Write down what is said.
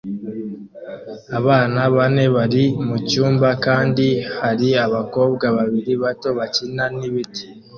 Abana bane bari mucyumba kandi hari abakobwa babiri bato bakina nibiti